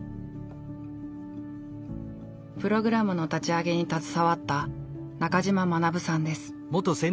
プログラムの立ち上げに携わった中島学さんです。